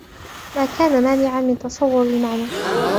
مَا كَانَ مَانِعًا مِنْ تَصَوُّرِ الْمَعْنَى